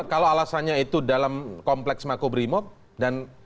kalau alasannya itu dalam kompleks makobrimob dan